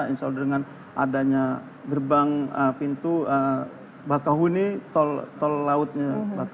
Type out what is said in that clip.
insya allah dengan adanya gerbang pintu bakahuni tol lautnya